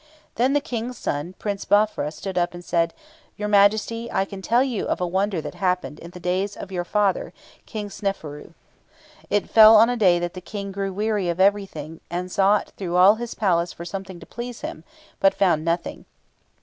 Then the King's son, Prince Baufra, stood up and said, "Your Majesty, I can tell you of a wonder that happened in the days of your father, King Seneferu. It fell on a day that the King grew weary of everything, and sought through all his palace for something to please him, but found nothing.